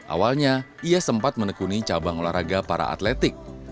awalnya ia sempat menekuni cabang olahraga para atletik